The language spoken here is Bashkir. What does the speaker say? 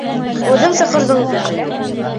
Үҙең саҡырҙың бит!